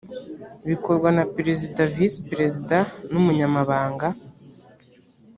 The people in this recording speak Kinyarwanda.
bikorwa na perezida visi perezida n’ umunyamabanga